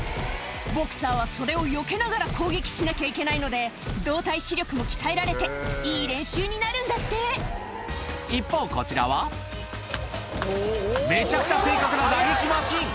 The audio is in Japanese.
ボクサーはそれをよけながら攻撃しなきゃいけないので、動体視力も鍛えられて、いい練習になるん一方、こちらは、めちゃくちゃ正確な打撃マシーン。